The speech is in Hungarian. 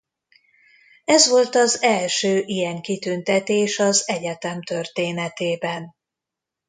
Ez volt az első ilyen kitüntetés az egyetem történetében.